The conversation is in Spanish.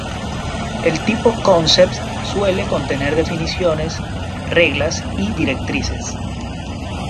El tipo "Concept" suele contener definiciones, reglas y directrices.